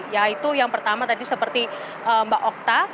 yaitu yang pertama tadi seperti mbak okta